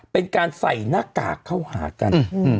เป็นการใส่หน้ากากเข้าหากัน